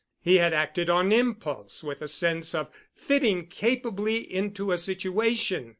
He had acted on impulse with a sense of fitting capably into a situation.